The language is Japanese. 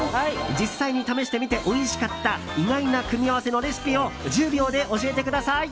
実際に試してみておいしかった意外な組み合わせのレシピを１０秒で教えてください。